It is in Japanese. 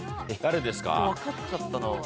分かっちゃったな。